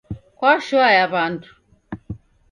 Kwashoa ya wandu